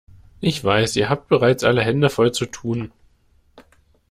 Ich weiß, ihr habt bereits alle Hände voll zu tun.